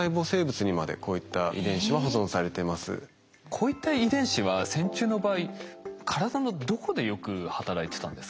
こういった遺伝子は線虫の場合体のどこでよく働いてたんですか？